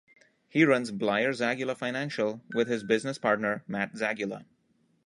He runs Bleier Zagula Financial with his business partner Matt Zagula.